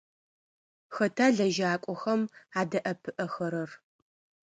Хэта лэжьакӏохэм адэӏэпыӏэхэрэр?